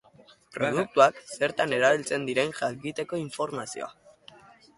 Produktuak zertan erabiltzen diren jakiteko informazioa.